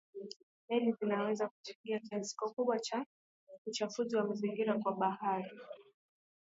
Meli zinaweza kuchangia kiasi kikubwa cha uchafuzi wa mazingira kwa baharini